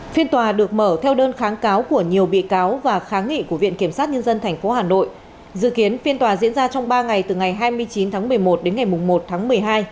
phiên tòa được mở theo đơn kháng cáo của nhiều bị cáo và kháng nghị của viện kiểm sát nhân dân tp hà nội dự kiến phiên tòa diễn ra trong ba ngày từ ngày hai mươi chín tháng một mươi một đến ngày một tháng một mươi hai